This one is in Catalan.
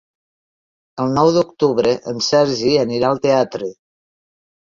El nou d'octubre en Sergi anirà al teatre.